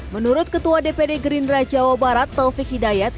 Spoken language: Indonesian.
menurut ketua dpd gerindra jawa barat taufik hidayat